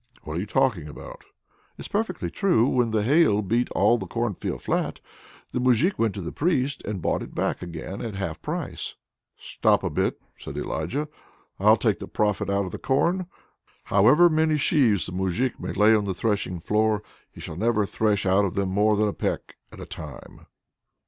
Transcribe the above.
"What are you talking about?" "It's perfectly true. When the hail beat all the cornfield flat, the Moujik went to the Priest and bought it back again at half price." "Stop a bit!" says Elijah. "I'll take the profit out of the corn. However many sheaves the Moujik may lay on the threshing floor, he shall never thresh out of them more than a peck at a time."